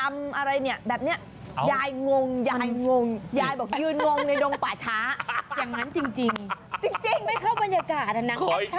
ขออีกทีได้ไหมยายบอกว่ายืนงงยังไงนะ